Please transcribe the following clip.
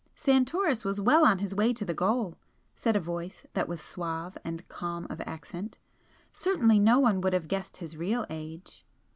"Santoris was well on his way to the goal" said a voice that was suave and calm of accent "Certainly no one would have guessed his real age."